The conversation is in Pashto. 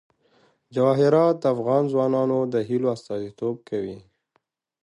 جواهرات د افغان ځوانانو د هیلو استازیتوب کوي.